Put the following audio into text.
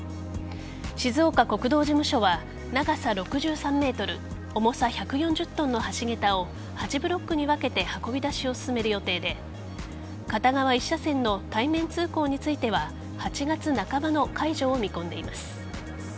静岡国道事務所は長さ６３ｍ重さ１４０ｔの橋げたを８ブロックに分けて運び出しを進める予定で片側１車線の対面通行については８月半ばの解除を見込んでいます。